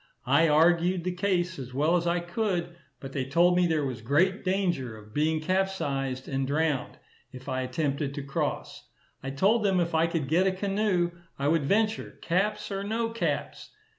I argued the case as well as I could, but they told me there was great danger of being capsized, and drowned, if I attempted to cross. I told them if I could get a canoe I would venture, caps or no caps.